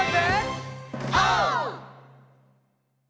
オー！